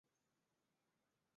壬酸铵是具有溶解性的。